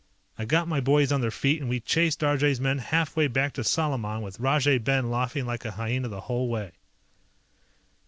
I got my boys on their feet and we chased Arjay's men half way back to Salaman with Rajay Ben laughing like a hyena the whole way.